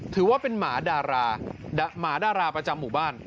ถือว่าเป็นหมาดาราหมาดาราประจำหมู่บ้าน